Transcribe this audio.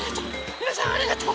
みなさんありがとう。